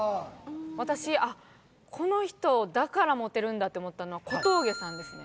私「あっこの人だからモテるんだ」と思ったの小峠さんですね